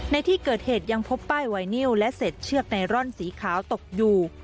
ในที่เกิดเหตุยังพบป้ายไวนิวและเศษเชือกไนรอนสีขาวตกอยู่